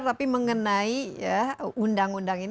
tapi mengenai undang undang ini